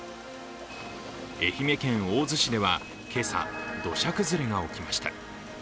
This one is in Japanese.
愛媛県大洲市ではけさ、土砂崩れが起きました。